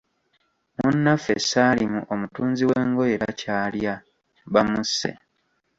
Munnaffe Salim omutunzi w'engoye takyalya, bamusse.